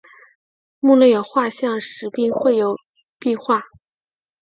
墓内有画像石并绘有壁画。